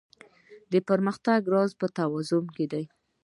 د پرمختګ راز په توازن کې دی.